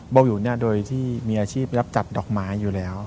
เบาวิวโดยที่มีอาชีพรับจัดดอกไม้อยู่แล้ว